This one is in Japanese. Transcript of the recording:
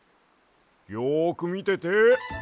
よくみてて。